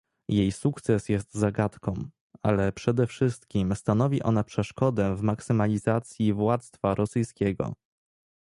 Jej sukces jest zagadką, ale przede wszystkim stanowi ona przeszkodę w maksymalizacji władztwa rosyjskiego